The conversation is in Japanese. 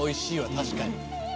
確かに。